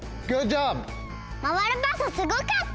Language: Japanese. まわるパスすごかった！